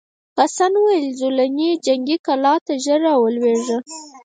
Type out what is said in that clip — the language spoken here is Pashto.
حسن وویل زولنې جنګي کلا ته ژر راولېږه.